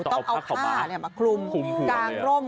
ต้องเอาผ้ามาคลุมกางร่ม